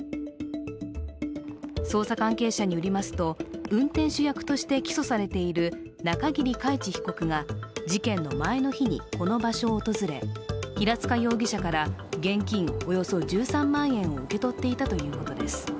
捜査関係者によりますと、運転手役として起訴されている中桐海知被告が事件の前の日にこの場所を訪れ平塚容疑者から現金およそ１３万円を受け取っていたということです。